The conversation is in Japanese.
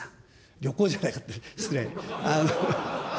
旅行じゃないか、失礼。